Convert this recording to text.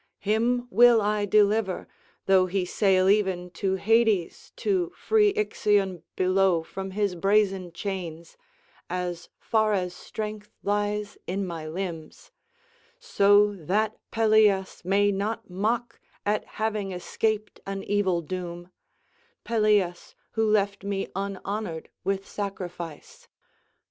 Him will I deliver, though he sail even to Hades to free Ixion below from his brazen chains, as far as strength lies in my limbs, so that Pelias may not mock at having escaped an evil doom—Pelias who left me unhonoured with sacrifice.